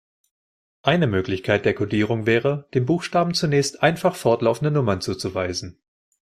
Eine Möglichkeit der Kodierung wäre, den Buchstaben zunächst einfach fortlaufende Nummern zuzuweisen.